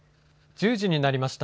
１０時になりました。